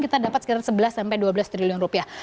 kita dapat sekitar sebelas sampai dua belas triliun rupiah